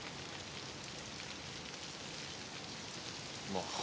もう。